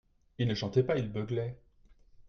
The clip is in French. Il ne chantait pas, il beuglait.